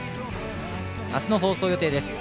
明日の放送予定です。